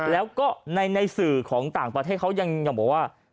แล้วก็ในสื่อของต่างประเทศเขายังบอกว่า